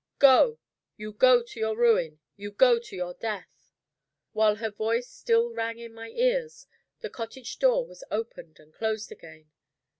"Go! you go to your ruin! you go to your death!" While her voice still rang in my ears, the cottage door was opened and closed again.